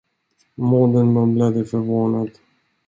Modern mumlade förvånad.